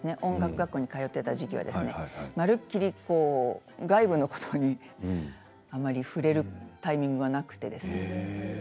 学校に通っていた時期はまるっきり外部のことにあまり触れるタイミングがなくてですね。